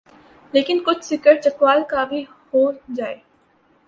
لیکن کچھ ذکر چکوال کا بھی ہو جائے۔